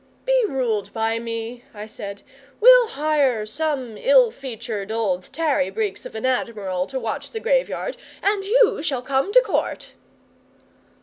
'"Be ruled by me," I said. "We'll hire some ill featured old tarry breeks of an admiral to watch the Graveyard, and you shall come to Court."